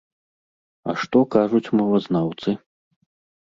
А што кажуць мовазнаўцы?